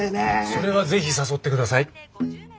それはぜひ誘って下さい！